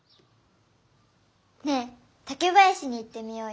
ねえ竹林に行ってみようよ。